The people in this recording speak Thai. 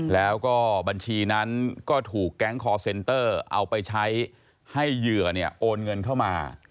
แล้วก็บัญชีนั้นก็ถูกแก๊งคอร์เซ็นเตอร์เอาไปใช้ให้เหยื่อโอนเงินเข้ามา